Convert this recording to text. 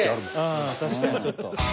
ああ確かにちょっと。